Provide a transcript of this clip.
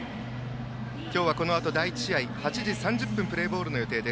今日はこのあと第１試合８時３０分プレーボールの予定。